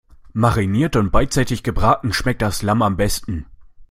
Mariniert und beidseitig gebraten schmeckt das Lamm am besten.